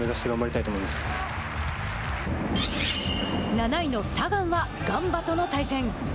７位のサガンはガンバとの対戦。